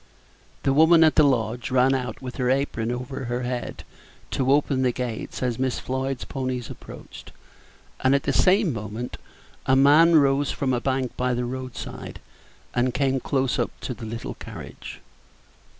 The woman at the lodge ran out with her apron over her head to open the gates as Miss Floyd's ponies approached, and at the same moment a man rose from a bank by the road side, and came close up to the little carriage.